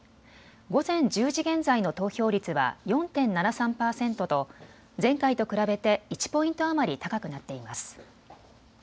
午前１０時現在の投票率は４．７３％と前回と比べて１ポイント余り高くなっています。